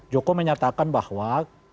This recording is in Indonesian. joko menyatakan bahwa